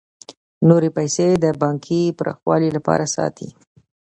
نورې پیسې د پانګې پراخوالي لپاره ساتي